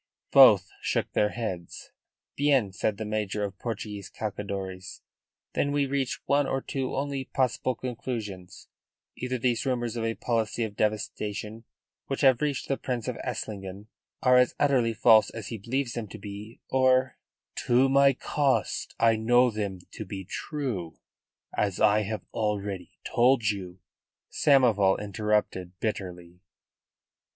Both shook their heads. "Bien!" said the major of Portuguese Cacadores. "Then we reach one or two only possible conclusions: either these rumours of a policy of devastation which have reached the Prince of Esslingen are as utterly false as he believes them to be, or " "To my cost I know them to be true, as I have already told you," Samoval interrupted bitterly.